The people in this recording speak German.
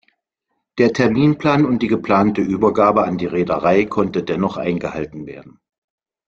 Der Terminplan und die geplante Übergabe an die Reederei konnte dennoch eingehalten werden.